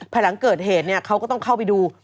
หลังเกิดเหตุเขาก็ต้องเข้าไปดู